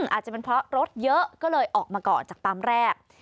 อาจจะเป็นเพราะรถเยอะก็เลยออกมาก่อนจากปั๊มแรก